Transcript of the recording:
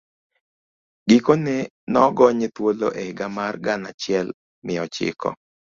Gikone, ne ogonye thuolo e higa mar gana achiel mia ochiko